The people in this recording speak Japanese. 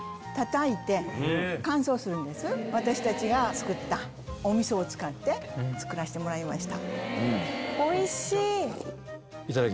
私たちが作ったお味噌を使って作らせてもらいました。